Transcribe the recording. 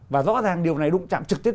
và rõ ràng điều này đụng chạm trực tiếp